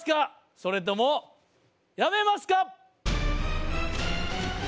それともやめますか？